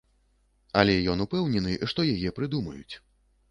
Але ён упэўнены, што яе прыдумаюць.